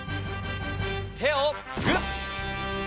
てをグッ！